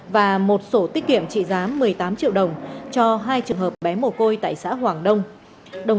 và một sổ tiết kiệm trị giá một mươi tám triệu đồng cho hai trường hợp bé mồ côi tại xã hoàng đông